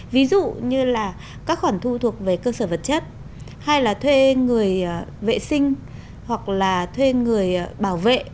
ví dụ như là các khoản thu thuộc về cơ sở vật chất hay là thuê người vệ sinh hoặc là thuê người bảo vệ